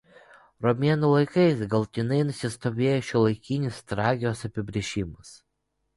Romėnų laikais galutinai nusistovėjo šiuolaikinis Trakijos apibrėžimas.